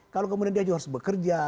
kalau kemudian dia juga harus bekerja